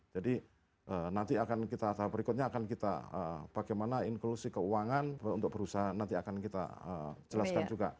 jadi nanti akan kita atau berikutnya akan kita bagaimana inklusi keuangan untuk berusaha nanti akan kita jelaskan juga